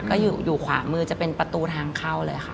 ก็อยู่ขวามือจะเป็นประตูทางเข้าเลยค่ะ